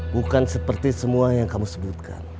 bukan seperti semua yang kamu sebutkan